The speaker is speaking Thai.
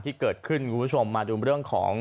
ที่เกิดขึ้นคุณผู้ชมมาดูเรื่องของ